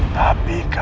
tapi khani meramu